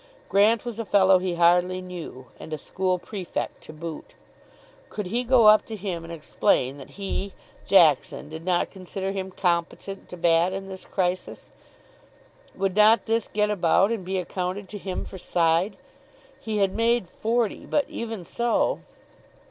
Grant was a fellow he hardly knew, and a school prefect to boot. Could he go up to him and explain that he, Jackson, did not consider him competent to bat in this crisis? Would not this get about and be accounted to him for side? He had made forty, but even so....